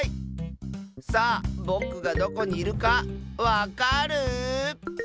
さあぼくがどこにいるかわかる？